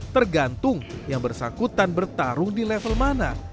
tergantung yang bersangkutan bertarung di level mana